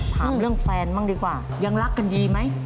ถามเรื่องแฟนบ้างดีกว่ายังรักกันดีไหม